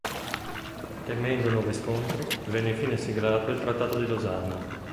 Temendo nuovi scontri, venne infine siglato il Trattato di Losanna.